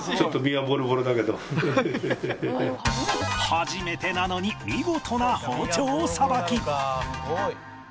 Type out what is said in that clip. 初めてなのに見事な包丁さばき